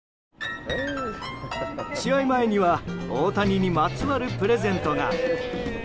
試合前には大谷にまつわるプレゼントが。